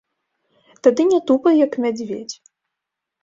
Тады не тупай, як мядзведзь!